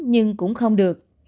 nhưng cũng không được